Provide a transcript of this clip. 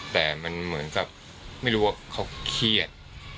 แต่มันเหมือนกับไม่รู้ว่าเขาเครียด